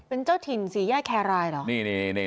เป็นเจ้าถิ่นสี่แยกแครรายเหรอ